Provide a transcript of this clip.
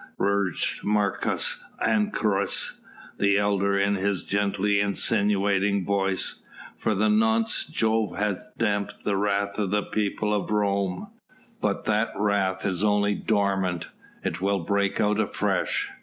urged Marcus Ancyrus, the elder, in his gently insinuating voice; "for the nonce Jove has damped the wrath of the people of Rome, but that wrath is only dormant, it will break out afresh.